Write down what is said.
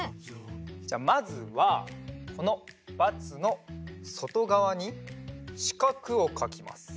まずはこのバツのそとがわにしかくをかきます。